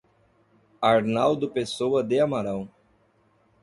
Arnaldo Pessoa de Amaral